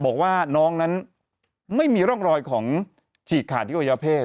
บอกว่าน้องนั้นไม่มีร่องรอยของฉีกขาดยูโยเภส